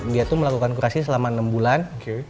dia tuh melakukan kurasi selama enam bulan